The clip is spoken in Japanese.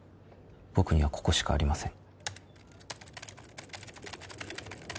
僕にはここしかありません